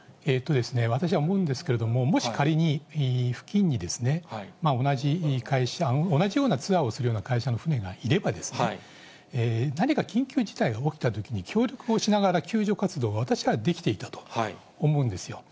私は思うんですけれども、もし仮に、付近に同じようなツアーをするような会社の船がいれば、何か緊急事態が起きたときに、協力をしなければ救助活動を私はできていたと思うんですよ。